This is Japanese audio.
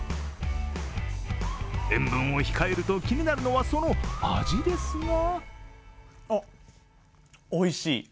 塩分を控えると、気になるのはその味ですがおいしい。